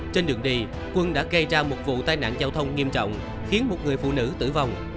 trên đường đi quân đã gây ra một vụ tai nạn giao thông nghiêm trọng khiến một người phụ nữ tử vong